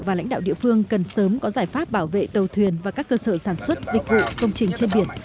và lãnh đạo địa phương cần sớm có giải pháp bảo vệ tàu thuyền và các cơ sở sản xuất dịch vụ công trình trên biển